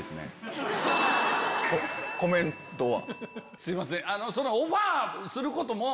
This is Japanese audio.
すいません。